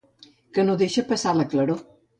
Que no deixa passar la claror.